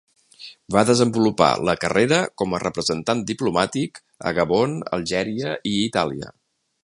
Va desenvolupar la carrera com a representat diplomàtic a Gabon, Algèria i Itàlia.